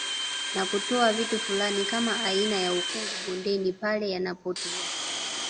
Na kutoa vitu fulani kama aina ya ukungu bondeni pale yanapotua